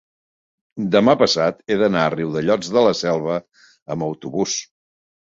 demà passat he d'anar a Riudellots de la Selva amb autobús.